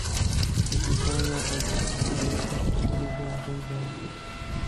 Akijifanya kujifurahisha ujuzi wa mpenzi wake